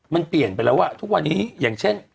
มันเปลี่ยนไปแล้วทุกวันนี้อย่างเช่น